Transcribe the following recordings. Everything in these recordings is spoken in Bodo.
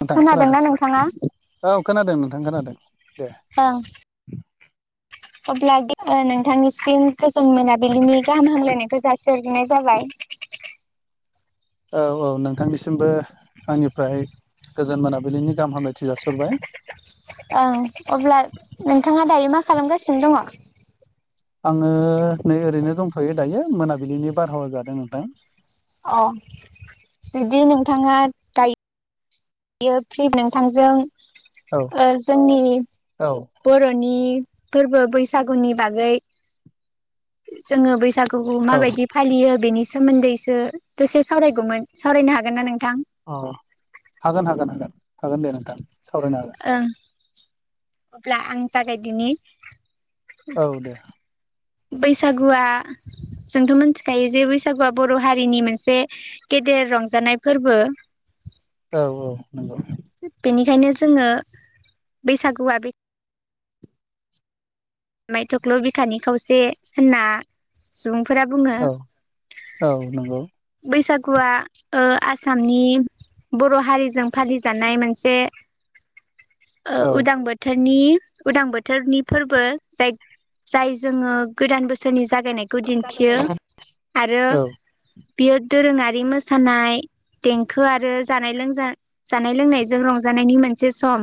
नोंथां खोनादों खोनादोंना नोंथाङा औ खोनादों नों- थां खोनादों दे ओं अब्ला नोंथांनिसिम गोजोन मोनाबिलिनि गाहाम हामलायनायखौ जासिहरग्रोनाय जाबाय औ औ नोंथांनिसिमबो आंनिफ्राय गोजोन मोनाबिलिनि गाहाम हामलायथि जासिहरबाय ओं अब्ला नोंथाङा दायो मा खालामगासिनो दङ? आङो नै ओरैनो दंथयो दायो मोनाबिलिनि बारहावा जादों नोंथां अ जुदि नोंथाङा दायो बियो फ्रि नोंथांजों औ ओ जोंनि औ बर'नि फोरबो बैसागुनि बागै जोङो बैसागुखौ औ माबायदि फालियो बेनि सोमोन्दैसो दसे सावरायगौमोन सावरायनो हागोन ना नोंथां अ हागोन हागोन हागोन हागोन दे नोंथां सावरायनो हागोन ओं अब्ला आं जागायदिनि औ दे बैसागुआ जोंथ' मोनथिखायो जे बैसागुआ बर' हारिनि मोनसे गेदेर रंजानाय फोरबो [inaudible] औ औ नंगौ बेखायनो जोङो बैसागुआ बे आमाइ थख्ल' बिखानि खावसे होनना फोरा बुङो औ औ नंगौ बैसाग गुवा ओ आसामनि बर' हारिजों फालिजानाय मोनसे ओ औ उदां बोथोरनि उदां बोथोरनि फोरबो जाय जाय जोङो गोदान बोसोरनि जागायनायखौ दिन्थियो आरो बियो दोरोङारि मोसानाय देंखो आरो जानाय लोंजा जानाय लोंनायजों रंजानायनि मोनसे सम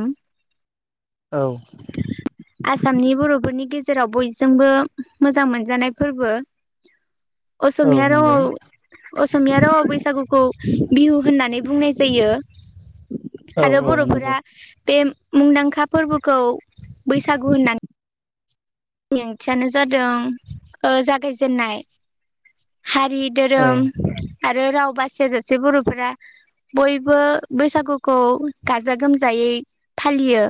आसामनि बर'फोरनि गेजेराव बयजोंबो मोजां मोनजानाय फोरबो औ नंगौ औ असमिया नंगौ रावाव असमिया रावाव बैसागुखौ बिहु होननानै बुंनाय जायो। औ आरो बर'फोरा बे मुंदांखा फोरबोखौ बैसागु होननानै ओंथियानो जादों ओ जागायजेनाय हारि, धोरोम आरो राव बासियाजासे बर'फोरा बयबो बैसागुखौ गाजा-गोमजायै फालियो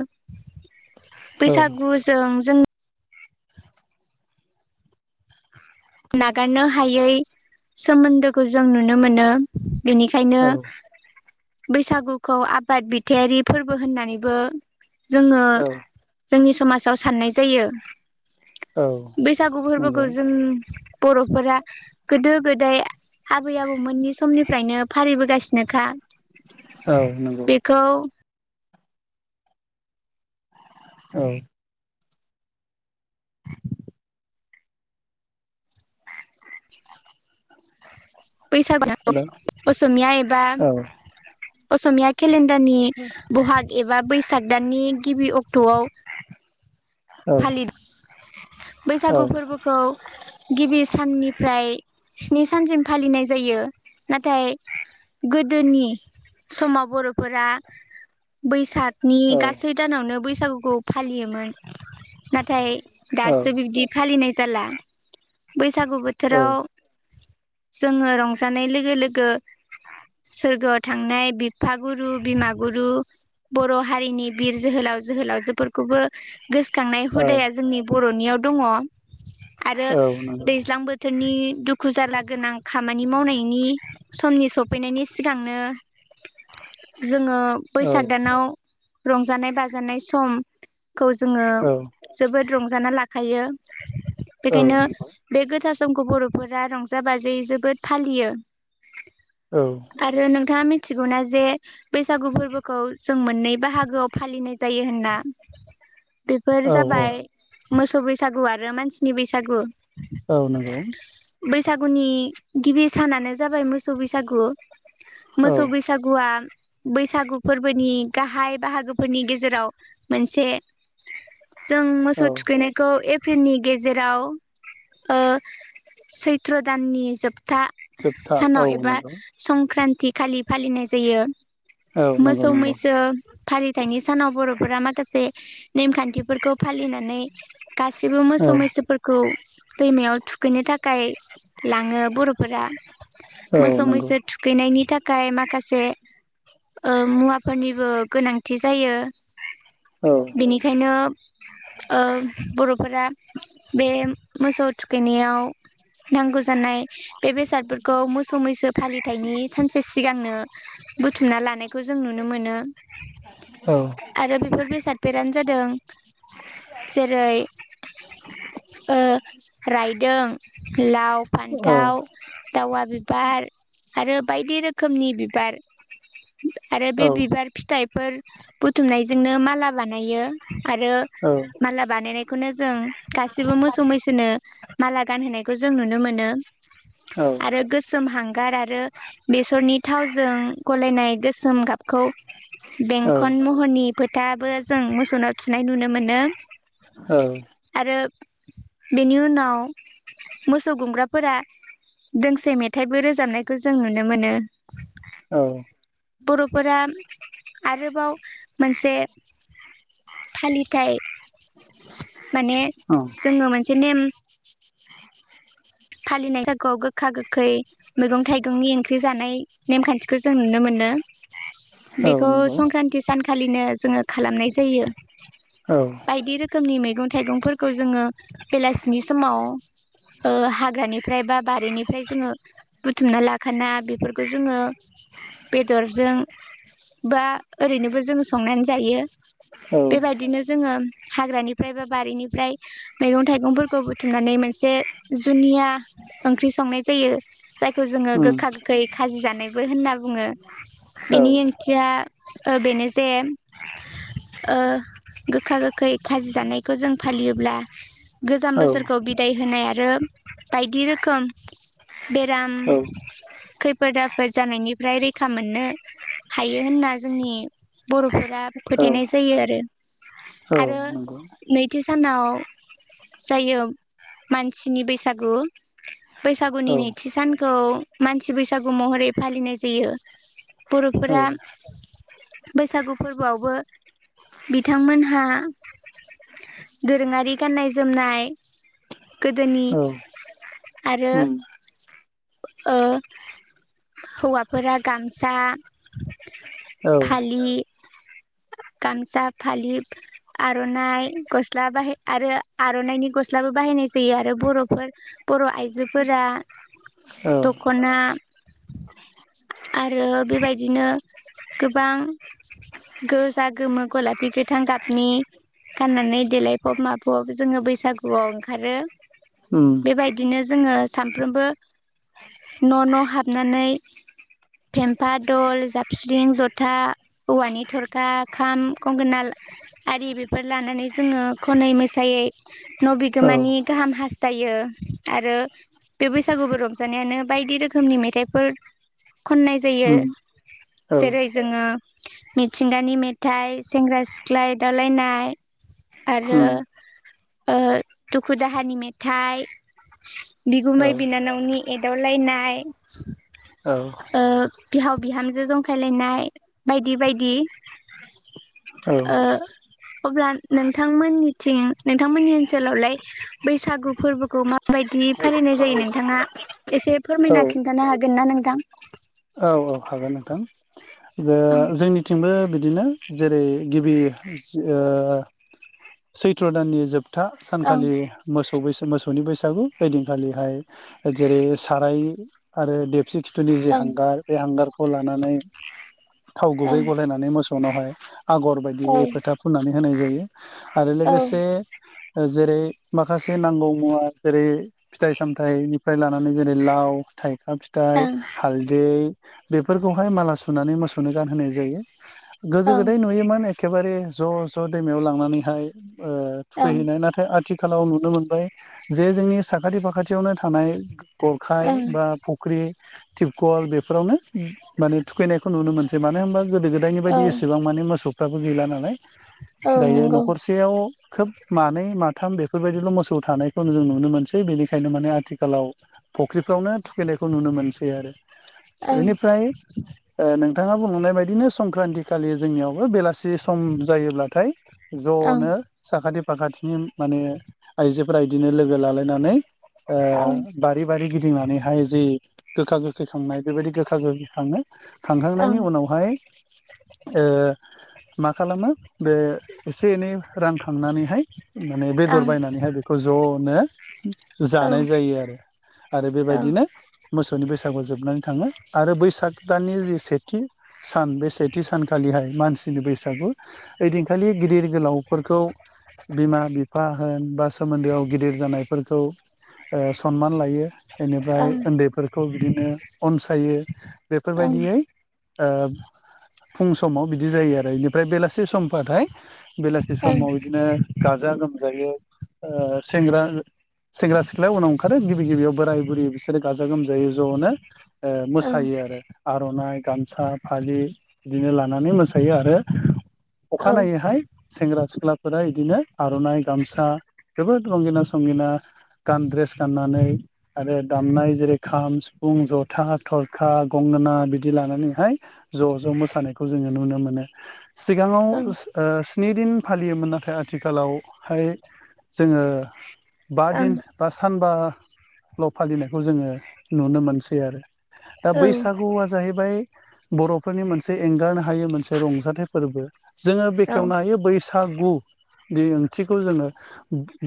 औ बैसागुजों जों नागारनो हायै सोमोन्दोखौ जों नुनो मोनो बेनिखायनो बैसागुखौ आबाद बिथायारि फोरबो होननानैबो जोङो औ जोंनि समाजाव साननाय जायो। बैसागु फोरबोखौ जों नंगौ बर'फोरा गोदो-गोदाय आबै-आबौमोननि समनिफ्रायनो फालिबोगासिनोखा औ नंगौ बेखौ औ फैसा हेल' [unintelligible] असमिया एबा औ असमिया केलेन्डारनि बहाग एबा बैसाग दाननि गिबि अक्ट'आव औ फालि औ बैसागु फोरबोखौ गिबि साननिफ्राय स्नि सानसिम फालिनाय जायो। नाथाय, गोदोनि समाव बर'फोरा बैसाग नि गासै दानावनो बैसागुखौ फालियोमोन। नाथाय औ दासो बिबदि फालिनाय जाला बै सागु औ बोथोराव जोङो रंजानाय लोगो-लोगो। सोरगोआव थांनाय बिफागुरु, बिमा गुरु। बर' हारिनि बिर जोहोलाव जोहोलावजोफोरखौबो खांनाय हुदाया जोंनि बर'नियाव दङ। आरो नंगौ दैज्लां बोथोरनि दुखु जार्ला गोनां खामानि मावनायनि समनि सफैनाय जोङो औ बैसाग दानाव रंजानाय-बाजानाय सम खौ जोङो जोबोद रंजाना लाखायो। औ नंगौ औ बेखायनो बे गोथार समखौ बर'फोरा रंजा-बाजायै जोबोद फालियो। औ आरो नोंथाङा मिथिगौना जे बैसागु फोर्बोखौ। जों मोननै बाहागोआव फालिनाय जायो होनना। बेफोर जाबाय मोसौ बैसागु आरो मानसिनि बै औ नंगौ। गुनि गिबि सानानो जाबाय मोसौ बैसागु। औ मोसौ बैसागुआ बैसागु फोर्बोनि गाहाय बाहागोफोरनि गेजेराव मोनसे। जों औ मोसौ थुखैनायखौ ए प्रिलनि गेजेराव ओ सैथ्र दाननि जोब था जोबथा औ सानाव एबा नंगौ संक्रान्तिखालि फालिनाय जायो। औ नंगौ मोसौ नंगौ मैसो फालिथायनि सानाव बर'फोरा माखासे नेमखान्थिफोरखौ फालिनानै गासिबो औ मोसौ-मैसोफोरखौ दैमायाव थुखैनो थाखाय लाङो बर'फोरा औ नंगौ औ मोसौ-मैसो थुखैनायनि था खाय माखासे ओ मुवाफोरनिबो गोनांथि जायो। औ औ बेनिखायनो ओ बर'फोरा बे मोसौ थुखैनायाव। नांगौ जानाय बे बेसादफोरखौ मोसौ-मैसो फालिथायनि सानसे सिगांनो। बुथुमना लानायखौ जों नुनो मोनो नंगौ औ आरो बेफोर बेस फोरानो जादों जेरै ओ रायदों लाव औ। फान्थाव दावा बिबार आरो बायदि रोखोमनि बिबार। औ आरो बे बिबार फिथाइफोर बुथुमनायजोंनो माला बानायो। आरो माला बानायनाय खौनो जों गासिबो मोसौ-मैसोनो माला गानहोनायखौ जों नुनो मोनो। आरो गोस सोम हांगार आरो बेसरनि थावजों गलायनाय गोसोम गाबखौ। बेंखन महरनि फोथाबो जों मोसौनाव थुनाय नुनो मोनो। औ। आरो बेनि उनाव मोसौ गुमग्राफोरा। दोंसे मेथाइबो रोजाबनायखौ जों नुनो मोनो। बर'फोरा आरोबाव मोनसे। फलिथाय। माने औ जोङो मोनसे नेम। फालिनाय थाखगोआव गोखा-गोखै मैगं थाइगंनि ओंख्रि जानाय नेमखान्थिखौ जों नुनो मोनो। बेखौ नंगौ संक्रान्ति सानखालिनो जोङो खालामनाय जायो। औ। खोमनि मैगं थाइगंफोरखौ जोङो बेलासिनि समाव ओ हा ग्रानिफ्राय बा बारिनिफ्राय जोङो बुथुमना लाखाना बेफोरखौ जोङो। बेदरजों बा ओरैनोबो जों संनानै जायो। बेबायदिनो जोङो हाग्रानिफ्राय बा बारिनिफ्राय मैगं थाइगंफोरखौ बुथुमनानै मोन से जुनिया ओंख्रि संनाय जायो जायखौ जोङो गोखा गोखै खाजि जानायबो होनना बुङो बेनि ओंथिया बेनो जे ओ गोखा गोखै खाजि जानायखौ जों फालियोब्ला गोजाम बोसोरखौ बिदाय होनाय आरो बायदि रोखोम बेराम उम औ औ खैफोद आफोद जानायनिफ्राय रैखा मोननो हायो होनना जोंनि बर'फोरा फोथायनाय जायो आरो उम आरो नैथि सानाव जायो मानसिनि बैस सागु बैसागुनि नैथि सानखौ मानसि बैसागु महरै फालिनाय जायो बर'फोरा बैसागु फोरबोआवबो बिथांमोनहा दोरोङारि गाननाय जोमनाय गोदोनि आरो ओ हौवाफोरा गामसा फालि गामस‌ा फालि आर'नाइ गस्ला बाहाय आरो आर'नाइनि गस्लाबो बाहायनाय जायो आरो बर'फोर बर' आइजोफोरा दख'ना आरो बेबायदिनो गोबां गोजा गोमो गलाफि गोथां गाबनि गाननानै देलायफब माफब जोङो बैसागुआव ओंखारो बेबायदिनो जोङो सानफ्रोमबो न' न' हाबनानै फेम्फा दल जाबस्रिं जथा औवानि थरखा खाम गंगोना‌ आरि बेफोर लानानै जोङो खनै मोसायै न' औ बिगोमानि गाहाम हास्थायो यो आरो बे बैसागु फोर रंजानायानो बायदि रोखोमनि मेथाइफोर खननाय जायो उम औ जेरै जोङो मिथिंगानि मेथाइ सेंग्रा सिख्ला एदाव लायनाय उम आरो ओ दुखु दाहानि मेथाइ औ बिगुमै बिनानावनि एदाव लायनाय औ ओ बिहाव बिहामजो जंखायलायनाय बायदि बायदि ओ औ अब्ला नोंथांमोननिथिं नोंथांमोननि ओनसोलावलाय बैसागु फोरबोखौ मा बायदि बायदि फालिनाय जायो नोंथाङा एसे फोरमायना खिन्थानो हागोन ना नोंथां औ औ हागोन नोंथां जों ओं जोंनिथिंबो बिदिनो जेरै गिबि ओ सैथ्र' दाननि जोब था सानखालि मोसौ बैसाग मोसौनि बैसागु ओइदिन खालिहाय जेरै साराय आरो दो खि खिथुनि जे ओं हांगार बे हांगारखौ लानानै थाव गुबै ओं गलायनानै मसौ नावहाय आगर बायदिय फोथा फुननानै होनाय जायो आरो ओं औ लोगोसे जेरै माखासे नांगौ मुवा जेरै फिथाइ सामथायाइनिफ्राय लानानै जेरै लाव फिथाइ ओ फिथाइ हालदै बेफोर खौहाय माला सुनानै मोसौनो गानहोनाय जायो गोदो ओं गोदाय नुयोमोन एखेबारे ज' ज' दैमायाव लांनानैहाय ओ थुखै ओं हैनाय नाथाय आथिखाल खालाव नुनो मोनबाय जे जोंनि साखाथि फाखाथियावनो थानाय गरखाय ओं ओं बा फुख्रि टिपकल बेफोरावनो माने थुखैनायखौ नुनो मोनसै मानो होनबा गोदो गोदायनि औ बायदि एसेबां माने मोसौ फ्राबो गैला नालाय औ नंगौ । गरसेयाव खोब मानै माथाम बेफोर बायदिल' मोसौ थानायखौ जों नुनो मोनसै बेनिखायनो बेफ्रावनो थुखैनायखौ नुनो मोनसै आरो ओ ओं नोंथाङा बुंनाय बायदिनो संक्रान्ति खालि जोंनियावबो बेलासि सम जायोब्लाथाय ओं ज'नो साखाथि फाखाथिनि माने आइजोफोरा इदिनो लोगो लालायनानै ओ ओं बारि बारि गिदिंनानै हाय जि गोखा गोखै खैखांनाय बे बायदि गोखा गोखै खांङो खांखांनायनि ओं उनावहाय मा माने बेदर ओं बायनानैहाय बेखौ ज'नो औ जानाय जायो आरो आरो बे ओं बायदिनो मोसौनि बैसागु जोबनानै थाङो आरो बैसाग दाननि जि सेथि सान बे सेथि सानखालिहाय मानसिनि बैसागु गु इदिं खालि गिदिर गोलावफोरखौ बिमा बिफा होन बा सोमोन्दोआव गिदिर जानायफोरखौ ओ सनमान लायो । बेनिफ्राय उन्दैफोरखौ बिदिनो अनसायो बेफोर ओं बायदियै ओ फुं समाव बिदि जायो आरो बेनिफ्राय बेलासि समबाथाय बेलासि ओं समाव बिदिनो गाजा गोमजायै ओ सेंग्रा सेंग्रा सिख्लाया उनाव ओंखारो गिबि गिबियाव बोराय बुरै बिसोरो गाजा गोमजायै ज'नो ओ ओं मोसायो आरो आर'नाइ गामसा फालि बिदिनो लानानै मोसायो आरो औ अखानायैहाय सेंग्रा सिख्लाफोरा बिदिनो आर'नाइ गामसा जोबोद रंगिना संगिना गान द्रेस गाननानै आरो दामनाय जेरै खाम, सिफुं जथा, थरखा, गंगोना बिदि लानानैहाय ज' ज' मोसानायखौ जोङो नुनो मोनो। सिगाङाव [unintelligible] स्नि दिन फालियोमोन नाथाय आथिखालाव हाय जोङो बा दिन बा सानबाल' फालिनायखौ जोङो नुनो मोनसै आरो दा ओं बैसागुआ जाहैबाय बर'फोरनि मोनसे एंगारनो हायो मोनसे रंजाथाइ फोरबो जोङो औ बेखेवनो हायो बैस थागु बे ओंथिखौ जोङो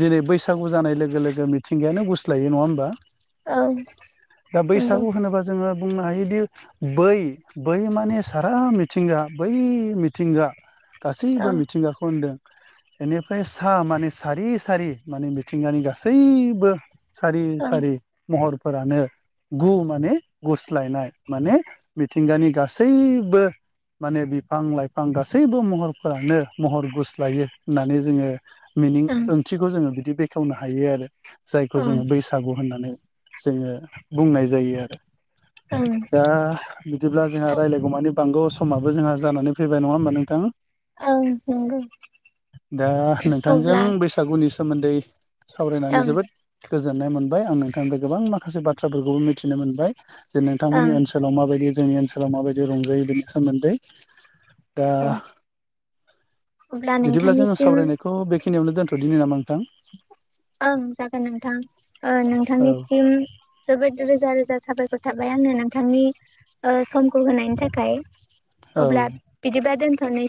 दिनै बैसागु जानाय लोगो लोगो मिथिंगायानो गुस्लायो नङा होमबा? औ दा नंगौ बैसागु होनोबा जोङो बुंनो हायोदि बै बै माने सारा मिथिंगा बै मिथिंगा गासैबो औ मिथिंगाखौ होनदों बेनिफ्राय सा माने सारि सारि माने मिथिंगानि गासैबो सारि ओं सारि महरफोरानो गु माने गुस्लायनाय माने मिथिंगानि गासैबो माने बिफां लाइफां गासैबो महरफोरानो महर गुस्लायो होननानै जोङो मिनिं ओं ओंथिखौ जोङो बिदि बेखेवनो हायो आरो जायखौ जोङो बैसागु होननानै जोङो बुंनाय जायो आरो। ओं दा बिदिब्ला जोंहा ओं रायलायगौ मानि बांगौ समाबो जोंहा जानानै फैबाय नङा ओमबा नों ओं नंगौ दा नोंथांजों अब्ला बैसागुनि स सोमोन्दै सावरायनानै ओं जोबोद गोजोननाय मोनबाय आं नोंथां। गोबां माखासे बाथ्राफोरखौबो मिथिनो मोनबाय जे नोंथांमोननि ओं ओनसोलाव माबायदि जोंनि ओनसोलाव माबायदि रंजायो बेनि सोमोन्दै दा औ अब्ला बिदिब्ला जोङो नोंथांनिसिम सावरायनायखौ बेखिनियावनो दोन्थ'दिनि नामा नोंथां? ओं जागोन नोंथां ओ औ नोंथांनिसिम जोबोद रोजा रोजा साबायखर थाबाय आंनो नोंथांनि समखौ होनायनि थाखाय औ अब्ला बिदिबा दोन